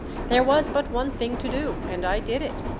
There was but one thing to do, and I did it.